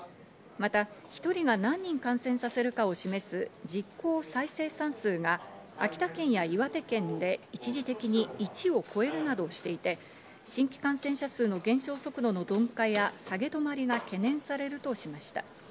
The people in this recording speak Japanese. また１人が何人感染させるかを示す実効再生産数が秋田県や岩手県で一時的に「１」を超えるなどしていて、新規感染者数の減少速度の鈍化や下げ止まりが懸念されるとしました。